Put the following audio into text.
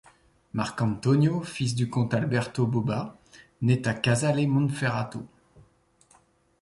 Marcantonio fils du comte Alberto Bobba nait à Casale Monferrato.